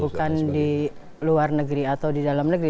bukan di luar negeri atau di dalam negeri